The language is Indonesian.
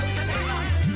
eh mak mak mak mak